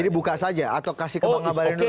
jadi buka saja atau kasih ke bang abalin dulu